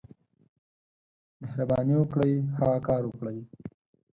مهرباني وکړئ، هغه کار وکړئ.